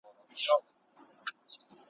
نه هګۍ پرېږدي نه چرګه په کوڅه کي `